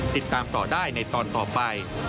ติดตามต่อได้ในตอนต่อไป